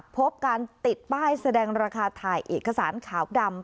พบการติดป้ายแสดงราคาถ่ายเอกสารขาวดำ